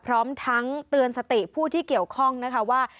พร้อมทั้งเตือนสติผู้ที่เกี่ยวข้องนะคะว่า